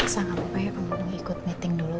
sangat apa ya kamu ikut meeting dulu